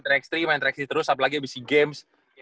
nah terus main tiga x tiga main tiga x tiga terus apalagi abis itu games